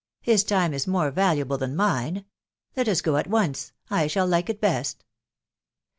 His time is more valuable than mine. Let us go at once : I shall like it best."